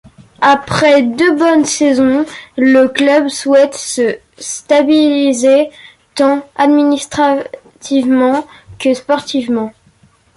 Après deux bonnes saisons, le club souhaite se stabiliser tant administrativement que sportivement.